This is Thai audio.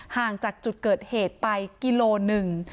ห่างจากจุดเกิดเหตุไปกิโลหนึ่ง